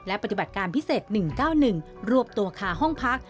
และปฏิบัติการพิเศษ๑๙๑รวบตัวคาห้องพัก